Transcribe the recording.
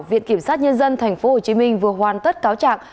viện kiểm sát nhân dân tp hcm vừa hoàn tất cáo trạng